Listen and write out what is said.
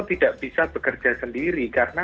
tidak bisa bekerja sendiri karena